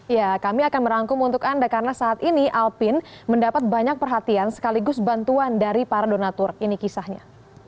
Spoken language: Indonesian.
ya kami akan merangkum untuk anda karena saat ini alpin mendapat banyak perhatian sekaligus bantuan dari para donatur ini kisahnya